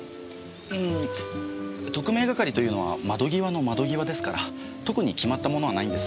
うん特命係というのは窓際の窓際ですから特に決まったものはないんです。